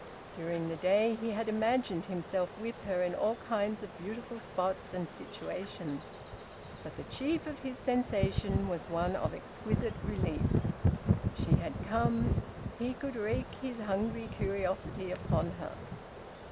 During the day he had imagined himself with her in all kinds of beautiful spots and situations. But the chief of his sensations was one of exquisite relief... She had come. He could wreak his hungry curiosity upon her.